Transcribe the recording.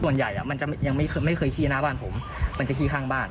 มันจะยังไม่เคยขี้หน้าบ้านผมมันจะขี้ข้างบ้าน